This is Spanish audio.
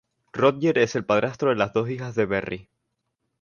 Rodger es el padrastro de las dos hijas de Berry.